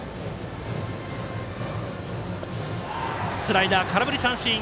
スライダー、空振り三振。